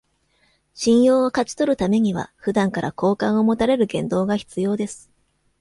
信用を勝ち取るためには、普段から好感を持たれる言動が必要です